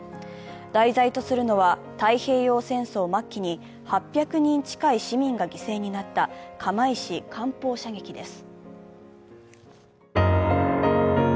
題材とするのは、太平洋戦争末期に８００人近い市民が犠牲になった釜石艦放射撃です。